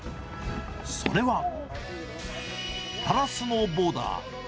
それは、パラスノーボーダー。